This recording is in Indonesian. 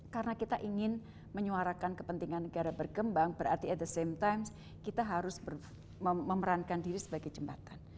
karena kita ingin menyuarakan kepentingan negara berkembang berarti at the same time kita harus memerankan diri sebagai jembatan